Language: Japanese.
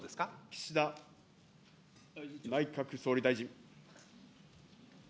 岸田内閣総理大臣。